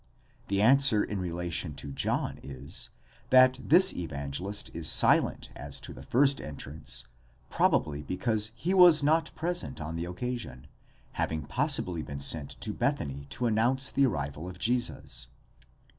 The answer in relation to John is, that this Evangelist is silent as to the first entrance, probably because he was not present on the occasion, having possibly been sent to Bethany to announce the arrival of Jesus.